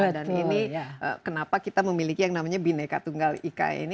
dan ini kenapa kita memiliki yang namanya bhinneka tunggal ika ini